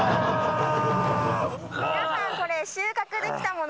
皆さんこれ。